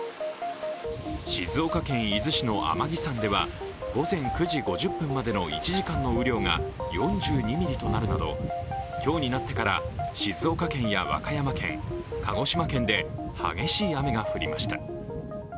静岡県伊豆市の天城山では午前９時５０分までの１時間の雨量が４２ミリとなるなど今日になってから静岡県や和歌山県、鹿児島県で激しい雨が降りました。